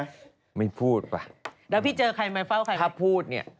แล้วพี่เจอใครมาเฝ้าใครมาเฝ้าพี่เจอใครมาเฝ้าใครมาเฝ้า